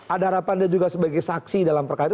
ada harapan dia juga sebagai saksi dalam perkara ini